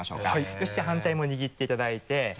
よしじゃあ反対も握っていただいて。